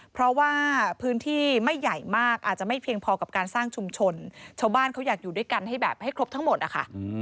เพราะว่าพื้นที่ไม่ใหญ่มากอาจจะไม่เพียงพอกับการสร้างชุมชนชาวบ้านเขาอยากอยู่ด้วยกันให้แบบให้ครบทั้งหมดนะคะ